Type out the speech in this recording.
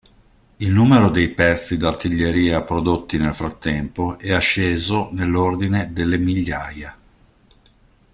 Il numero dei pezzi d'artiglieria prodotti nel frattempo è asceso nell'ordine delle migliaia.